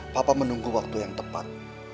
papa menunggu waktu yang tepat